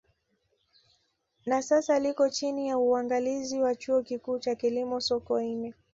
Na sasa liko chini ya uangalizi wa Chuo Kikuu cha Kilimo Sokoine